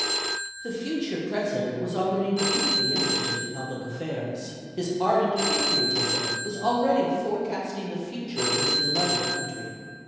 The future President was already deeply interested in public affairs; his ardent patriotism was already forecasting the future of his beloved country.